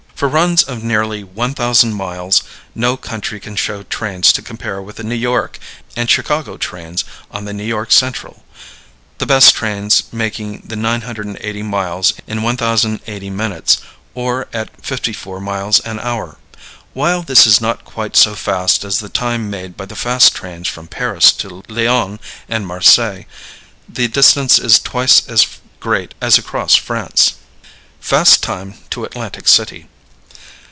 For runs of nearly 1,000 miles no country can show trains to compare with the New York and Chicago trains on the New York Central, the best trains making the 980 miles in 1,080 minutes, or at 54 miles an hour. While this is not quite so fast as the time made by the fast trains from Paris to Lyons and Marseilles, the distance is twice as great as across France. Fast Time to Atlantic City.